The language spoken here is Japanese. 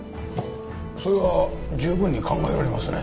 それは十分に考えられますね。